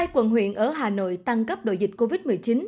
một mươi hai quận huyện ở hà nội tăng cấp độ dịch covid một mươi chín